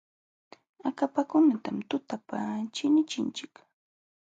Akapakunatam tutapa chinichinchik.